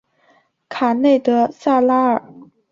卡内德萨拉尔。